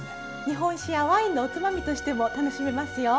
日本酒やワインのおつまみとしても楽しめますよ。